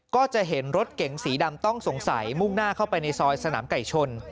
ก็จะเห็นรถเก๋งสีดำต้องสงสัยมุ่งหน้าเข้าไปในซอยสนามไก่ชน